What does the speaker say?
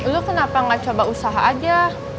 lu kenapa gak coba usaha aja